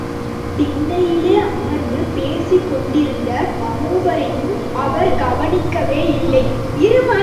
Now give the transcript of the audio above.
திண்ணையிலே அமர்ந்து பேசிக் கொண்டிருந்த மூவரையும் அவர் கவனிக்கவே இல்லை.